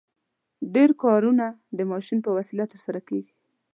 ډېر کارونه د ماشین په وسیله ترسره کیږي.